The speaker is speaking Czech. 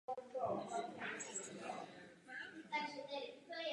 Byl zakládajícím členem skupiny Amen Corner a jejich následníků Fair Weather.